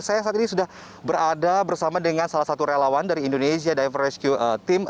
saya saat ini sudah berada bersama dengan salah satu relawan dari indonesia diver rescue team